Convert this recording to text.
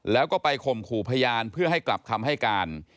แล้วก็ไปข่มขู่พยานเพื่อให้กลับคำให้การ